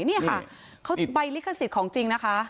นี่ค่ะเขาใบลิขสิทธิ์ของจริงนะคะ